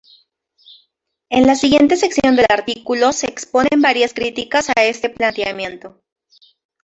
En la siguiente sección del artículo se exponen varias críticas a este planteamiento.